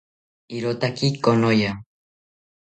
Irotaki konoya